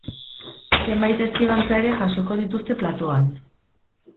Zenbait testigantza ere jasoko dituzte platoan.